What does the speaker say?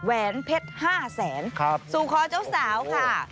แหวนเพชร๕แสนสู่คอเจ้าสาวค่ะ